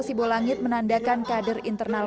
sibolangit menandakan kader internal